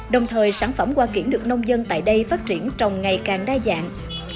đồng thời sản phẩm hoa kiển được nông dân tại đây phát triển trồng ngày càng đa dạng